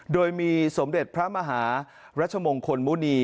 โดยมีสมเด็จพระมหารัชมงคลมุณี